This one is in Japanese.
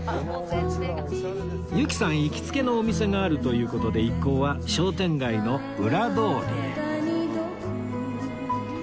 由紀さん行きつけのお店があるという事で一行は商店街の裏通りへ